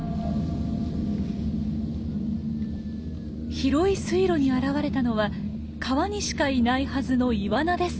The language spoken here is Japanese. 広い水路に現れたのは川にしかいないはずのイワナです。